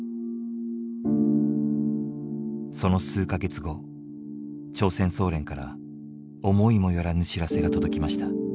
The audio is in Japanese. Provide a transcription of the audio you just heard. その数か月後朝鮮総連から思いもよらぬ知らせが届きました。